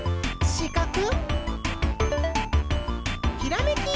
しかく！